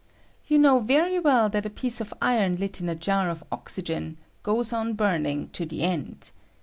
You know very well that a piece of iron lit in a jar of ox ygen goes on burning to the end.